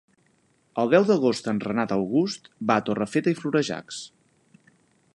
El deu d'agost en Renat August va a Torrefeta i Florejacs.